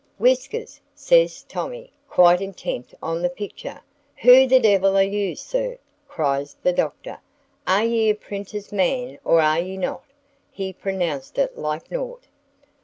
"Whisters," says Tommy, quite intent on the picture. "Who the devil are ye, sir?" cries the Doctor; "are ye a printer's man or are ye not?" he pronounced it like NAUGHT.